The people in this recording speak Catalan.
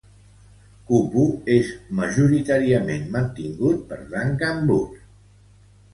Kupu és majoritàriament mantingut per Duncan Booth.